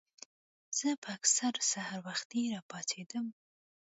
زۀ به اکثر سحر وختي راپاسېدم